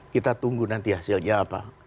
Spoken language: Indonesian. kita tunggu nanti hasilnya apa